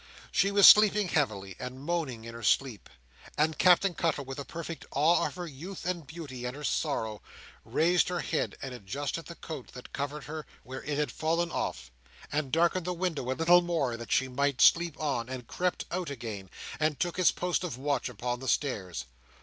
She was sleeping heavily, and moaning in her sleep; and Captain Cuttle, with a perfect awe of her youth, and beauty, and her sorrow, raised her head, and adjusted the coat that covered her, where it had fallen off, and darkened the window a little more that she might sleep on, and crept out again, and took his post of watch upon the stairs.